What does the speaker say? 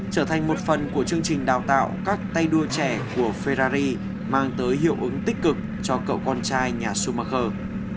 trở thành một phần của chương trình đào tạo các tay đua trẻ của ferrari mang tới hiệu ứng tích cực cho cậu con trai nhà schumacher